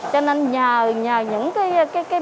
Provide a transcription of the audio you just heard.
cho nên nhờ những cái